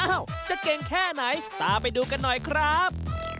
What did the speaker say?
จะเก่งแค่ไหนตามไปดูกันหน่อยครับ